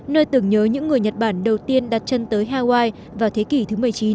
nơi tưởng nhớ những người nhật bản đầu tiên đặt chân tới hawaii vào thế kỷ thứ một mươi chín